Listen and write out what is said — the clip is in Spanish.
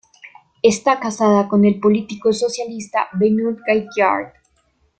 Está casada con el político socialista Benoît Gaillard.